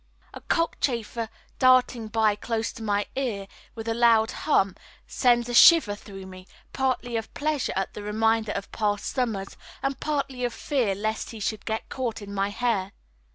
A cockchafer darting by close to my ear with a loud hum sends a shiver through me, partly of pleasure at the reminder of past summers, and partly of fear lest he should get caught in my hair.